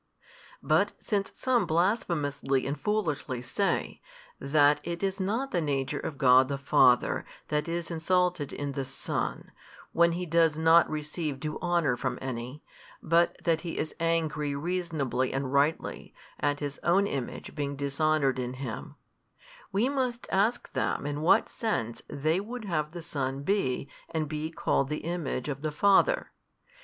But since some blasphemously and foolishly say, that it is not the Nature of God the Father That is insulted in the Son, when He does not receive due honour from any, but that He is angry reasonably and rightly, at His Own Image being dishonoured in Him; we must ask them in what sense they would have the Son be and be called the Image of the Father.